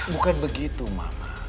bukan begitu mama